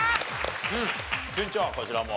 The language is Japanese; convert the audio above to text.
順調こちらも。